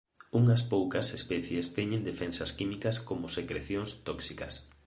Unhas poucas especies teñen defensas químicas como secrecións tóxicas.